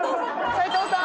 斉藤さん？」